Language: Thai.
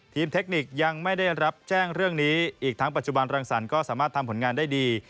เทคนิคยังไม่ได้รับแจ้งเรื่องนี้อีกทั้งปัจจุบันรังสรรค์ก็สามารถทำผลงานได้ดี